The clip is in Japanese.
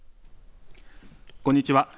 こんにちは。